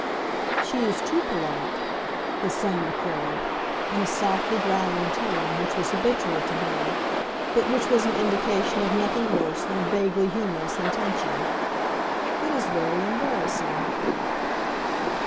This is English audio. "She is too polite," his son declared, in a softly growling tone which was habitual to him, but which was an indication of nothing worse than a vaguely humorous intention. "It is very embarrassing."